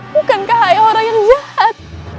bukankah saya orang yang jahat